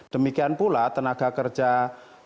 demikian pula tenaga kerja